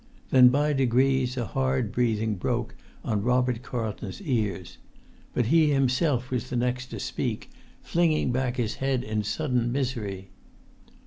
[Pg 24] Then by degrees a hard breathing broke on Robert Carlton's ears; but he himself was the next to speak, flinging back his head in sudden misery.